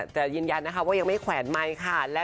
แต่ยืนยันนะคะว่ายังไม่แขวนไมค์ค่ะ